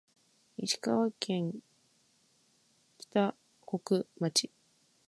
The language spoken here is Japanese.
石川県川北町